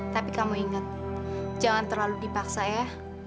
tapi kamu ingat jangan terlalu dipaksa ya